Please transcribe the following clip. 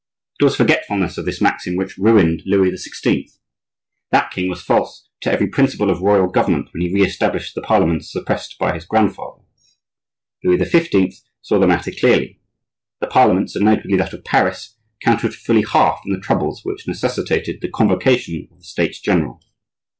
It was forgetfulness of this maxim which ruined Louis XVI. That king was false to every principle of royal government when he re established the parliaments suppressed by his grandfather. Louis XV. saw the matter clearly. The parliaments, and notably that of Paris, counted for fully half in the troubles which necessitated the convocation of the States general.